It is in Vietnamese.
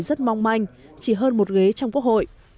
rất mong manh chỉ hơn một ghế trong quốc hội